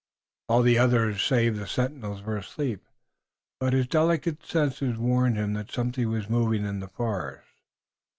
All the others save the sentinels were asleep, but his delicate senses warned him that something was moving in the forest.